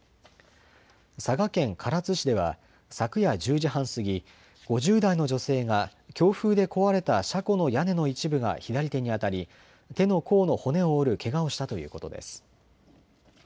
佐賀県唐津市では昨夜１０時半過ぎ、５０代の女性が強風で壊れた車庫の屋根の一部が左手に当たり、手の甲の骨を折るけがをしたということです。